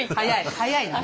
早いな。